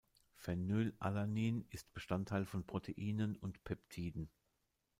Phenylalanin ist Bestandteil von Proteinen und Peptiden.